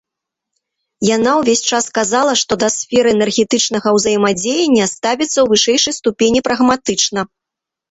Яна ўвесь час казала, што да сферы энергетычнага ўзаемадзеяння ставіцца ў вышэйшай ступені прагматычна.